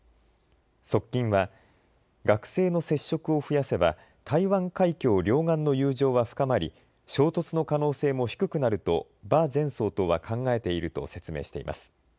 側近は、学生の接触を増やせば台湾海峡両岸の友情は深まり衝突の可能性も低くなると馬前総統は考えていると説明しています。